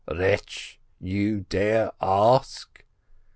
"Wretch, you dare to ask?"